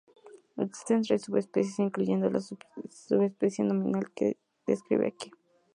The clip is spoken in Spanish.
Existen tres subespecies, incluyendo la subespecie nominal que se describe aquí.